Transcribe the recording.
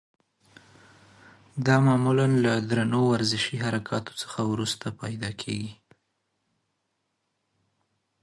دا معمولا له درنو ورزشي حرکاتو څخه وروسته پیدا کېږي.